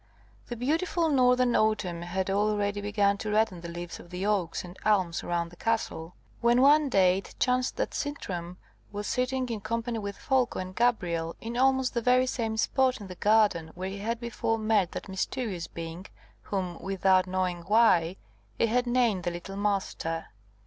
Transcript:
The beautiful northern autumn had already begun to redden the leaves of the oaks and elms round the castle, when one day it chanced that Sintram was sitting in company with Folko and Gabrielle in almost the very same spot in the garden where he had before met that mysterious being whom, without knowing why, he had named the little Master.